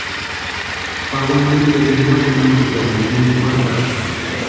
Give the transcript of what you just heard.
Pawani menteru niwakani ánchikwarhini jini juatarhu.